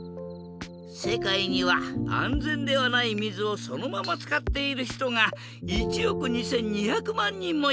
世界には安全ではない水をそのまま使っている人が１億２２００万人もいるんだ。